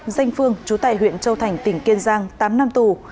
danh phương chú tại huyện châu thành tỉnh kiên giang tám năm tù